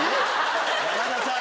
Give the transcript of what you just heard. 山田さん？